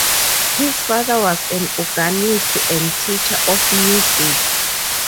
His father was an organist and teacher of music.